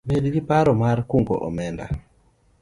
Bed gi paro mar kungo omenda